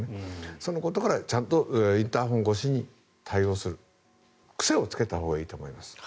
そのことからちゃんとインターホン越しに対応する癖をつけたほうがいいと思います。